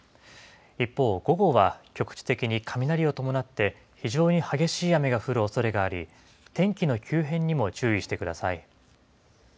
一方、午後は、局地的に雷を伴って、非常に激しい雨が降るおそれがあり、天気の急変にも注意してください。